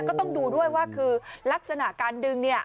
ก็ต้องดูด้วยว่าคือลักษณะการดึงเนี่ย